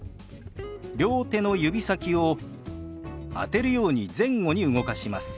両手の指先を当てるように前後に動かします。